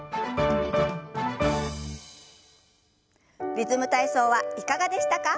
「リズム体操」はいかがでしたか？